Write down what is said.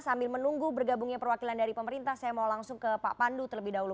sambil menunggu bergabungnya perwakilan dari pemerintah saya mau langsung ke pak pandu terlebih dahulu